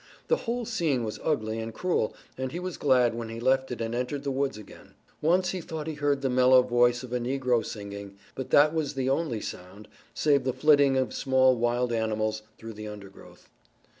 The whole scene was ugly and cruel, and he was glad when he left it and entered the woods again. Once he thought he heard the mellow voice of a negro singing, but that was the only sound, save the flitting of small wild animals through the undergrowth.